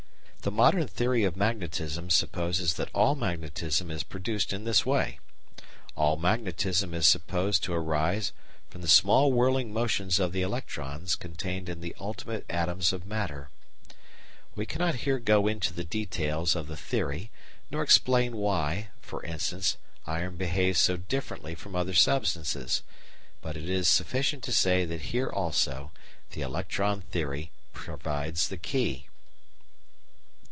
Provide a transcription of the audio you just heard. The modern theory of magnetism supposes that all magnetism is produced in this way. All magnetism is supposed to arise from the small whirling motions of the electrons contained in the ultimate atoms of matter. We cannot here go into the details of the theory nor explain why, for instance, iron behaves so differently from other substances, but it is sufficient to say that here, also, the electron theory provides the key.